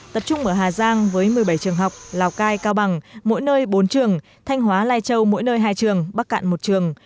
tập trung ở hà giang với một mươi bảy trường học lào cai cao bằng mỗi nơi bốn trường thanh hóa lai châu mỗi nơi hai trường bắc cạn một trường